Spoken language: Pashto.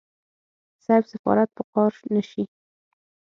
صيب سفارت په قار نشي.